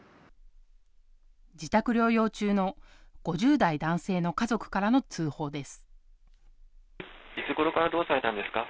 自宅療養中の５０代男性の家族からの通報です。